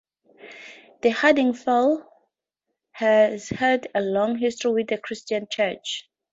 The Hardingfele has had a long history with the Christian church.